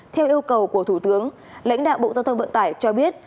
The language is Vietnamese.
theo yêu cầu của thủ tướng lãnh đạo bộ giao thông vận tải cho biết